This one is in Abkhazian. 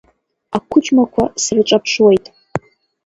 Ақәыџьмақәа сырҿаԥшуеит!